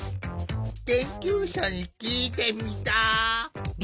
研究者に聞いてみた。